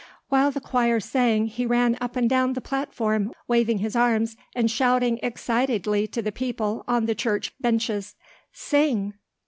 While the choir sang he ran up and down the platform waving his arms and shouting excitedly to the people on the church benches, "Sing!